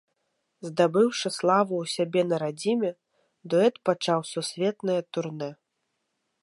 Здабыўшы славу ў сябе на радзіме, дуэт пачаў сусветнае турнэ.